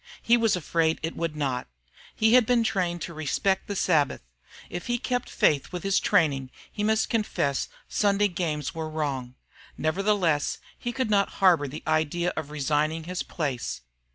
He was afraid it would not. He had been trained to respect the Sabbath. If he kept faith with his training he must confess Sunday games were wrong. Nevertheless he could not harbor the idea of resigning his place.